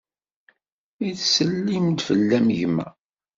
Yettsellim-d fell-am gma.